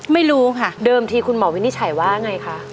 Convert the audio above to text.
ไม่รู้ค่ะเดิมทีคุณหมอวินิจฉัยว่าไงคะ